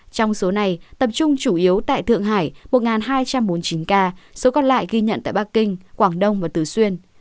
trong số này tập trung chủ yếu tại thượng hải một hai trăm bốn mươi chín ca số còn lại ghi nhận tại bắc kinh quảng đông và tứ xuyên